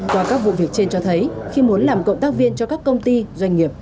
qua các vụ việc trên cho thấy khi muốn làm cộng tác viên cho các công ty doanh nghiệp